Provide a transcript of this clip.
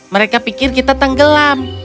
mereka pikir kita tenggelam